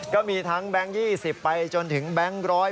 ก็มีทั้งแบงค์๒๐ไปจนถึงแบงค์๑๐